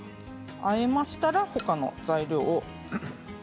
あえましたら、ほかの材料を。